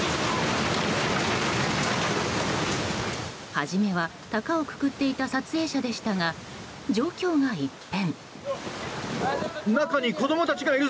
初めは高をくくっていた撮影者でしたが、状況が一変。